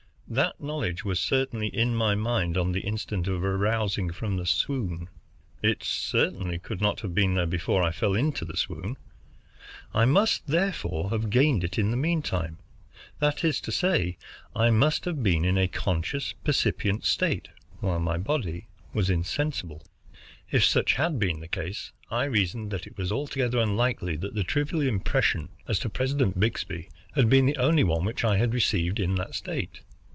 That knowledge was certainly in my mind on the instant of arousing from the swoon. It certainly could not have been there before I fell into the swoon. I must therefore have gained it in the mean time; that is to say, I must have been in a conscious, percipient state while my body was insensible. If such had been the case, I reasoned that it was altogether unlikely that the trivial impression as to President Byxbee had been the only one which I had received in that state.